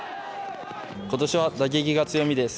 今年は打撃が強みです。